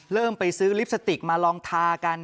เริ่มไปซื้อลิปสติกมาลองทากัน